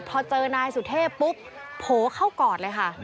พอเจอนายสุเทพปุ๊บโผล่เข้ากอดเลยค่ะ